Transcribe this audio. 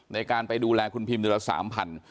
ในการไปดูแลคุณพิมเดือนละ๓๐๐บาท